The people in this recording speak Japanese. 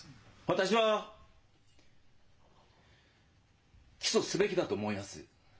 私は起訴すべきだと思います。